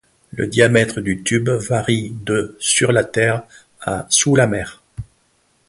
Le diamètre du tube varie de sur la terre à sous la mer.